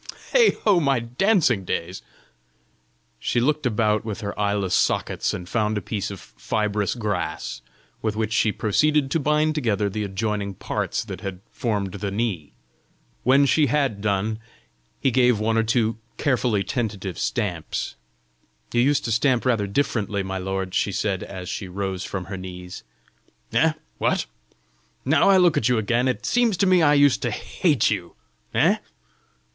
Heigho, my dancing days!" She looked about with her eyeless sockets and found a piece of fibrous grass, with which she proceeded to bind together the adjoining parts that had formed the knee. When she had done, he gave one or two carefully tentative stamps. "You used to stamp rather differently, my lord!" she said, as she rose from her knees. "Eh? what! Now I look at you again, it seems to me I used to hate you! Eh?"